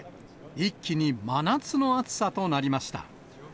一気に真夏の暑さとなりました。